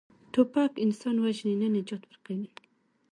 توپک انسان وژني، نه نجات ورکوي.